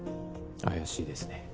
怪しいですね